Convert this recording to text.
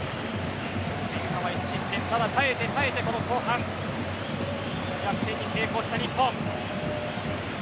ただ、耐えて耐えて、この後半逆転に成功した、日本。